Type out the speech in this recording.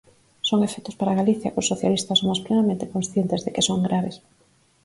Son efectos para Galicia que os socialistas somos plenamente conscientes de que son graves.